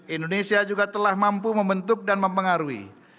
indonesia juga telah mampu membentuk dan mempengaruhi